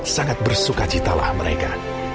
sangat bersuka citalah mereka